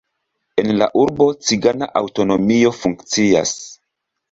En la urbo cigana aŭtonomio funkcias.